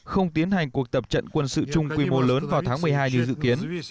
không tiến hành cuộc tập trận quân sự chung quy mô lớn vào tháng một mươi hai như dự kiến